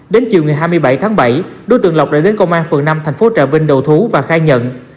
đến chiều ngày hai mươi bảy tháng bảy đối tượng lộc đã đến công an phường năm thành phố trà vinh đầu thú và khai nhận